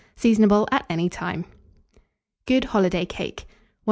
Seasonable at any time. GOOD HOLIDAY CAKE. 1763.